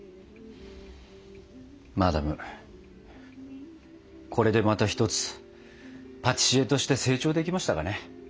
マダムこれでまた一つパティシエとして成長できましたかね。